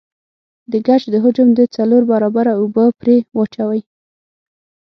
د ګچ د حجم د څلور برابره اوبه پرې واچوئ.